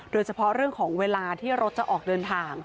โดยเฉพาะเรื่องของเวลาที่รถจะออกเดินทาง